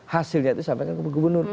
hasilnya itu disampaikan ke gubernur